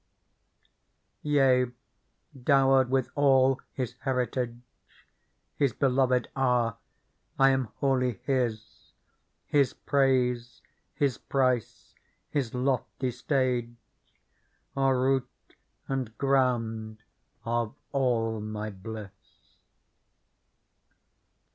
Yea, dowered with all His heritage His beloved are ; I am wholly His ; His praise. His price. His lofty stage Are root and ground of all my bliss."